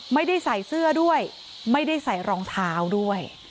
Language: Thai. ไม่ได้ใส่เสื้อด้วยไม่ได้ใส่รองเท้าด้วย